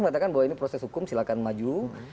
mengatakan bahwa ini proses hukum silahkan maju